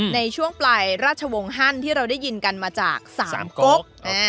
ในช่วงปลายราชวงศ์ฮั่นที่เราได้ยินกันมาจากสามกก